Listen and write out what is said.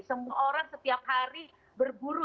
semua orang setiap hari berburu